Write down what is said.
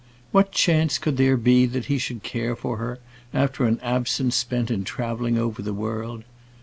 What chance could there be that he should care for her, after an absence spent in travelling over the world?